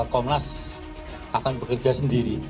komnas akan bekerja sendiri